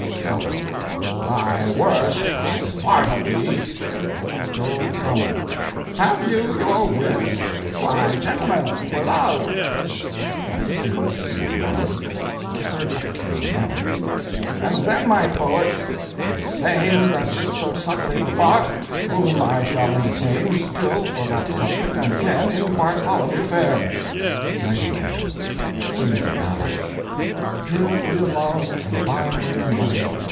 SUBTLE: Thy worst. I fart at thee. DOL COMMON: Have you your wits? Why, gentlemen, for love Act. 2, Scene I, SIR EPICURE MAMMON:....and then my poets, the same that writ so subtly of the fart, whom I shall entertain still for that subject and again in Bartholomew Fair NIGHTENGALE: (sings a ballad) Hear for your love, and buy for your money.